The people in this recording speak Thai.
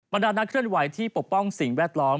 ดานักเคลื่อนไหวที่ปกป้องสิ่งแวดล้อม